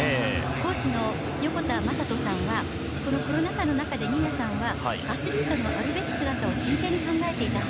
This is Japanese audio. コーチの横田真人さんはこのコロナ禍の中で新谷さんはアスリートのあるべき姿を真剣に考えていたと。